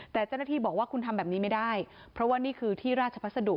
แต่เจ้าหน้าที่บอกว่าคุณทำแบบนี้ไม่ได้เพราะว่านี่คือที่ราชพัสดุ